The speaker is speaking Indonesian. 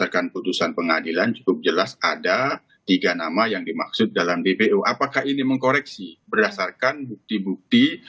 berdasarkan putusan pengadilan cukup jelas ada tiga nama yang dimaksud dalam dpo apakah ini mengkoreksi berdasarkan bukti bukti